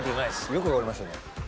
よく分かりましたね。